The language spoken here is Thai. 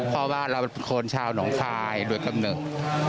เพราะว่าเรามันคนชาวหนองคายด้วยคำนึก